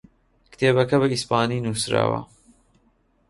کتێبەکە بە ئیسپانی نووسراوە.